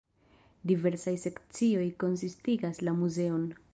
Diversaj sekcioj konsistigas la muzeon.